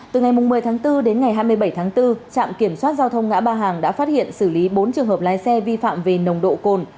từ ngày một mươi tháng bốn đến ngày hai mươi bảy tháng bốn trạm kiểm soát giao thông ngã ba hàng đã phát hiện xử lý bốn trường hợp lái xe vi phạm về nồng độ cồn